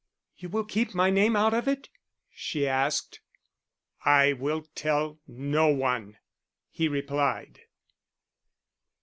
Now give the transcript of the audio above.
"You will keep my name out of it?" she asked. "I will tell no one," he replied.